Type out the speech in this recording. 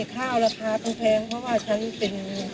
ข้าวอะไร